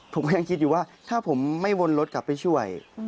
ผมก็ยังคิดอยู่ว่าถ้าผมไม่วนรถกลับไปช่วย